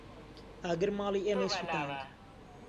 ئاگر ماڵی ئێمەی سوتاند.